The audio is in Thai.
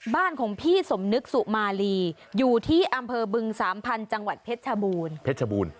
บ้านของพี่สมนึกสุมาลีอยู่ที่อำเภอบึงสามพันธุ์จังหวัดเพชรชบูรณเพชรบูรณ